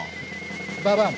ババン！